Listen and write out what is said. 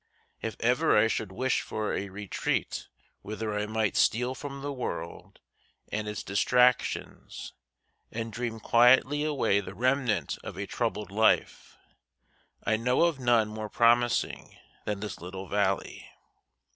If ever I should wish for a retreat whither I might steal from the world and its distractions and dream quietly away the remnant of a troubled life, I know of none more promising than this little valley.